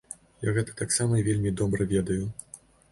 Я гэта таксама вельмі добра ведаю.